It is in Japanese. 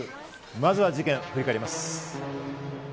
まずは事件を振り返ります。